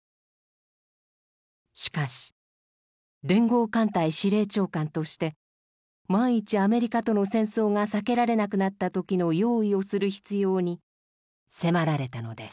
しかし連合艦隊司令長官として万一アメリカとの戦争が避けられなくなった時の用意をする必要に迫られたのです。